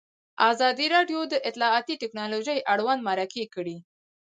ازادي راډیو د اطلاعاتی تکنالوژي اړوند مرکې کړي.